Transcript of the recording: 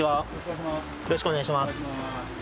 よろしくお願いします